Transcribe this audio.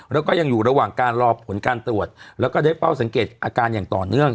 แล้วก็ยังอยู่ระหว่างการรอผลการตรวจแล้วก็ได้เฝ้าสังเกตอาการอย่างต่อเนื่อง